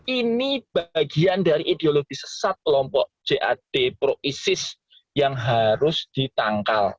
ini bagian dari ideologi sesat kelompok jad pro isis yang harus ditangkal